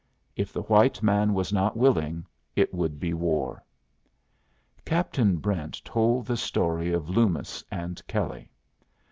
If the white man was not willing, it should be war. Captain Brent told the story of Loomis and Kelley.